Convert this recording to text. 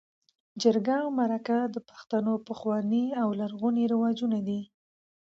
جرګه او مرکه د پښتنو پخواني او لرغوني رواجونه دي.